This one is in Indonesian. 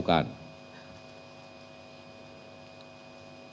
ini adalah hal yang harus dilakukan